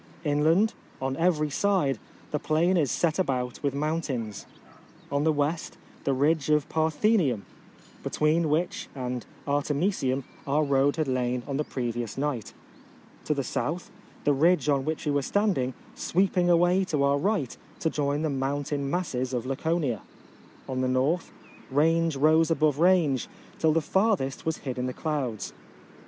Inland, on every side, the plain is set about with mountains. On the west, the ridge of Parthenium, between which and Artemisium our road had lain on the previous night ; to the south, the ridge on which we were stand ing, sweeping away to our right to join the mountain masses of Laconia ; on the north, range rose above range, till the farthest was hid in the clouds.